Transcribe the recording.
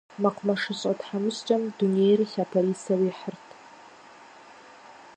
МэкъумэшыщӀэ тхьэмыщкӀэм дунейр лъапэрисэу ихьырт.